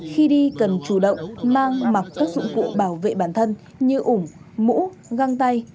khi đi cần chủ động mang mặc các dụng cụ bảo vệ bản thân như ủng mũ găng tay